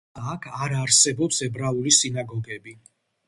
თუმცა, აქ არ არსებობს ებრაული სინაგოგები.